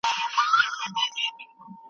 سياسي مسورې بايد د متخصصينو لخوا ورکړل سي.